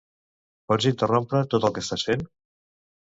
Pots interrompre tot el que estàs fent?